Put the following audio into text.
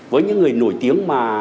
với những người nổi tiếng mà